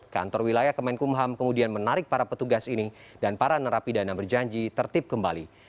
kantor wilayah kemenkumham kemudian menarik para petugas ini dan para narapidana berjanji tertib kembali